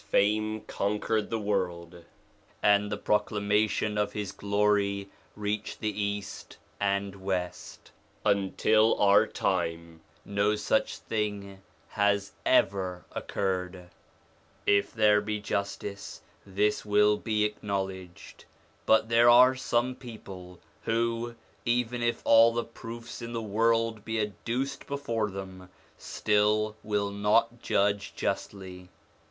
2 Acca. 43 44 SOME ANSWERED QUESTIONS conquered the world; and the proclamation of his glory reached the East and West : until our time no such thing has ever occurred. If there be justice this will be acknowledged; but there are some people who, even if all the proofs in the world be adduced before them, still will not judge justly